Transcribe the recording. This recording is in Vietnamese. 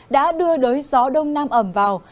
đã đưa đối gió đông nam ẩm vào